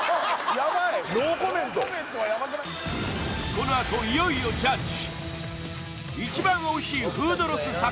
このあと、いよいよジャッジ。